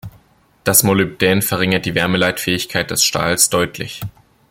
Das Molybdän verringert die Wärmeleitfähigkeit des Stahls deutlich.